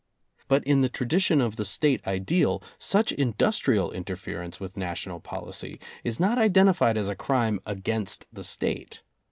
But in the tradi tion of the State ideal, such industrial interference with national policy is not identified as a crime against the State.